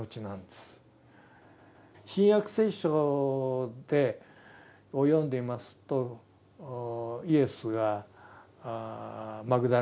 「新約聖書」を読んでいますとイエスがマグダラのマリアにね